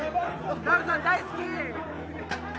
ダルさん、大好き！